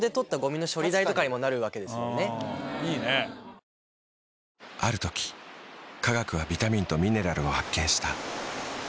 Ｙｅａｈｙｅａｈ．ある時科学はビタミンとミネラルを発見した。